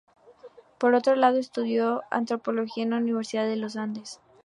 Por otro lado, estudió antropología en la Universidad de Los Andes.